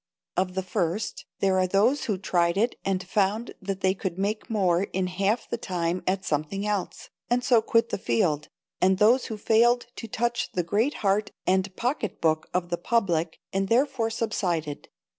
Of the first, there are those who tried it and found that they could make more in half the time at something else, and so quit the field, and those who failed to touch the great heart and pocketbook of the public, and therefore subsided.